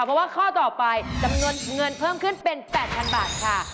เพราะว่าข้อต่อไปจำนวนเงินเพิ่มขึ้นเป็น๘๐๐๐บาทค่ะ